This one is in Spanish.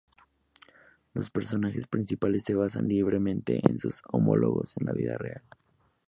Los personajes principales se basan libremente en sus homólogos en la vida real.